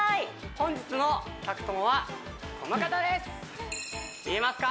本日の宅トモはこの方です見えますか？